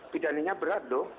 pidananya berat lho